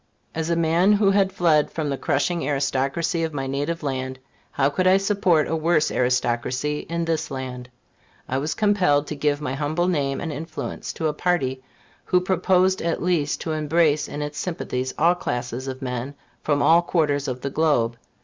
As a man who had fled from the crushing aristocracy of my native land, how could I support a worse aristocracy in this land? I was compelled to give my humble name and influence to a party who proposed, at least, to embrace in its sympathies all classes of men, from all quarters of the globe.